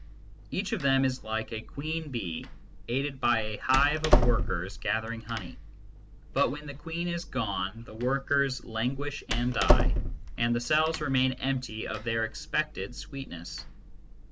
Each of them is like a queen bee, aided by a hive of workers gathering honey ; but when the queen is gone the workers languish and die, and the cells remain empty of their expected sweet ness.